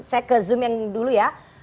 saya ke zoom yang dulu ya